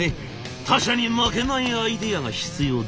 「他社に負けないアイデアが必要だ。